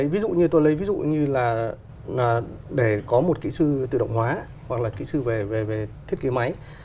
ví dụ như tôi lấy ví dụ như là để có một kỹ sư tự động hóa hoặc là kỹ sư về thiết kế máy